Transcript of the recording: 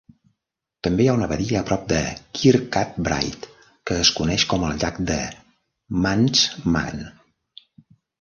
També hi ha una badia a prop de Kirkcudbright, que es coneix com el llac de Manxman.